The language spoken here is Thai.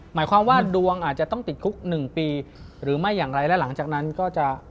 หมายความว่าดวงอาจจะต้องติดคุกหนึ่งปีหรือไม่อย่างไรและหลังจากนั้นก็จะ